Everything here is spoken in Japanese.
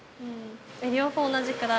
両方同じくらい。